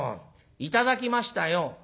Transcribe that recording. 頂きましたよ」。